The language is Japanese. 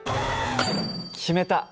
決めた！